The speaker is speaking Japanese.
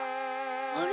あれ？